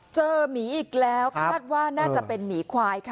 หมีอีกแล้วคาดว่าน่าจะเป็นหมีควายค่ะ